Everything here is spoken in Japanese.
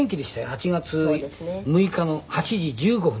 ８月６日の８時１５分でしょ。